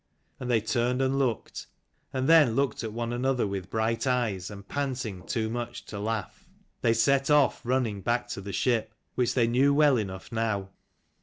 " and they turned and looked : and then looked at one another with bright eyes and panting too much to laugh. They set off 12 running back to the ship, which they knew well enough now.